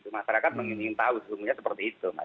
masyarakat ingin tahu sesungguhnya seperti itu